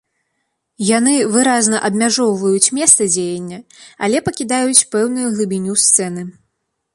Яны выразна абмяжоўваюць месца дзеяння, але пакідаюць пэўную глыбіню сцэны.